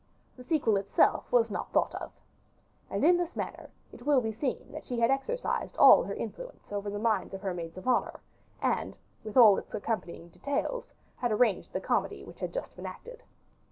The sequel itself was not thought of. And in this manner, it will be seen that she had exercised all her influence over the minds of her maids of honor, and with all its accompanying details, had arranged the comedy which had just been acted.